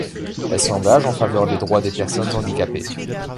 Elle s'engage en faveur des droits des personnes handicapées.